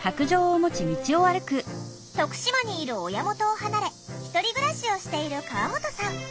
徳島にいる親元を離れ１人暮らしをしている川本さん。